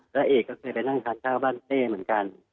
แล้วเอกก็เคยไปนั่งทานข้าวบ้านเต้เหมือนกัน